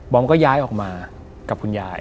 อมก็ย้ายออกมากับคุณยาย